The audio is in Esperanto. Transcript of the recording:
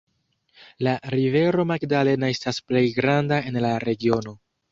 La rivero Magdalena estas plej granda en la regiono.